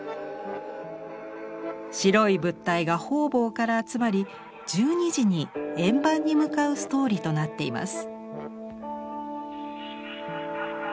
白い物体が方々から集まり１２時に円盤に向かうストーリーとなっています。